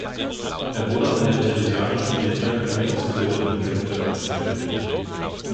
Er wurde an der Theresianischen Militärakademie ausgebildet und kämpfte im Ersten Weltkrieg.